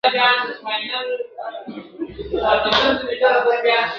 پاکه خاوره ئې نه ده ژغورلې.